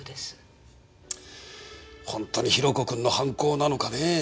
ほんとに宏子くんの犯行なのかねぇ？